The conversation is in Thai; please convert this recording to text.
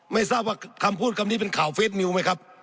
ไม่ทราบว่าคำพูดคำนี้เป็นข่าวเฟสนิวไหมครับ